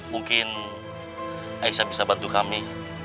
mungkin aisa bisa bantu kami